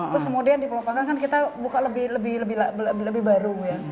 terus kemudian di pulau panggang kan kita buka lebih baru ya